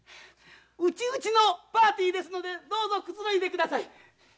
内々のパーティーですのでどうぞくつろいでください。